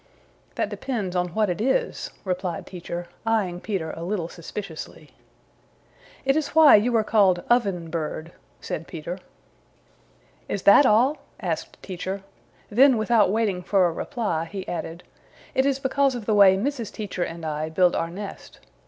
"That depends on what it is," replied Teacher, eyeing Peter a little suspiciously. "It is why you are called Oven Bird," said Peter. "Is that all?" asked Teacher. Then without waiting for a reply he added, "It is because of the way Mrs. Teacher and I build our nest.